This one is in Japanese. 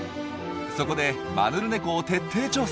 そこでマヌルネコを徹底調査。